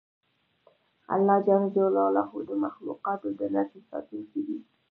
الله ج د مخلوقاتو د نظام ساتونکی دی